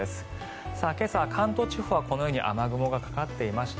今朝、関東地方はこのように雨雲がかかっていました。